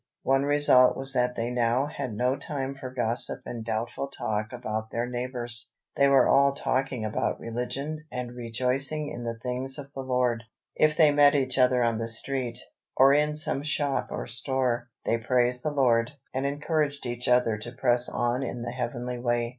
One result was that they now had no time for gossip and doubtful talk about their neighbours. They were all talking about religion and rejoicing in the things of the Lord. If they met each other on the street, or in some shop or store, they praised the Lord, and encouraged each other to press on in the heavenly way.